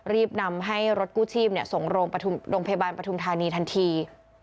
รีบนำให้รถกู้ชีพส่งโรงพยาบาลปฐุมธานีทันที